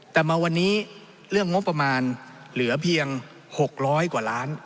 แต่มาวันนี้เรื่องงบประมาณเหลือเพียง๖๐๐กว่าล้าน